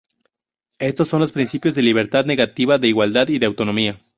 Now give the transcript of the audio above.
Estos son los principios de libertad negativa, de igualdad y de autonomía.